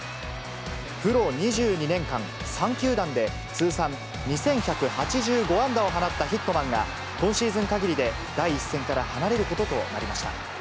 プロ２２年間、３球団で通算２１８５安打を放ったヒットマンが、今シーズン限りで第一線から離れることとなりました。